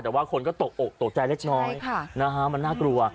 แต่ว่าคนก็ตกอกตกใจเล็กน้อยมันน่ากลัว